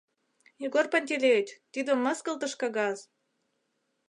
— Егор Пантелеич, тиде мыскылтыш кагаз!